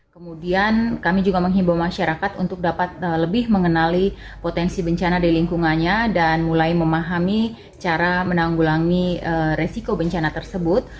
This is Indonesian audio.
kemudian kami juga menghimbau masyarakat untuk dapat lebih mengenali potensi bencana di lingkungannya dan mulai memahami cara menanggulangi resiko bencana tersebut